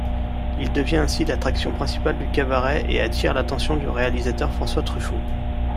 Il devient ainsi l'attraction principale du cabaret et attire l'attention du réalisateur François Truffaut.